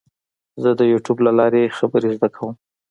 زه د یوټیوب له لارې خبرې زده کوم.